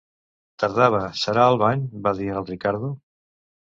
Tardava, serà al bany, va dir el Riccardo.